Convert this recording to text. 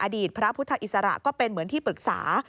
อดีตพระพุทธอิสระก็เป็นเหมือนที่ปรึกษา